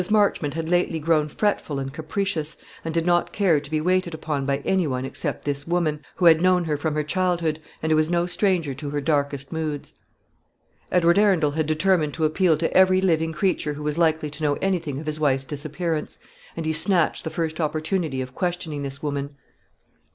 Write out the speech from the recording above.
Marchmont had lately grown fretful and capricious, and did not care to be waited upon by any one except this woman, who had known her from her childhood, and was no stranger to her darkest moods. Edward Arundel had determined to appeal to every living creature who was likely to know anything of his wife's disappearance, and he snatched the first opportunity of questioning this woman.